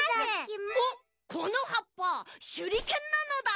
おっこのはっぱしゅりけんなのだ！